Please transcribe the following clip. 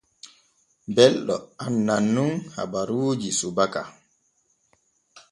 Belɗo anŋan nun habaruuji subaka fu.